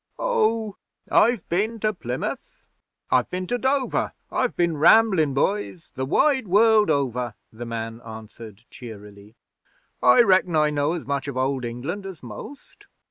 'Oh, I've bin to Plymouth, I've bin to Dover I've bin ramblin', boys, the wide world over,' the man answered cheerily. 'I reckon I know as much of Old England as most.'